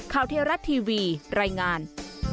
ข่าวเทียรัตน์ทีวีรายงาน